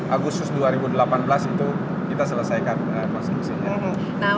agustus dua ribu delapan belas itu kita selesaikan konstruksinya